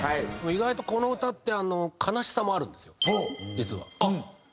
意外とこの歌って悲しさもあるんですよ実は。